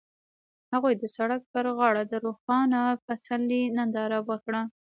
هغوی د سړک پر غاړه د روښانه پسرلی ننداره وکړه.